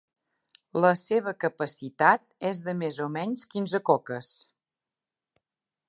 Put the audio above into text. La seva capacitat és de més o menys quinze coques.